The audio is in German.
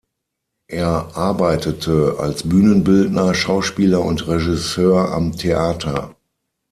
Er arbeitete als Bühnenbildner, Schauspieler und Regisseur am Theater.